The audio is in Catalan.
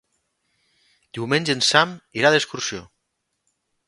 Diumenge en Sam irà d'excursió.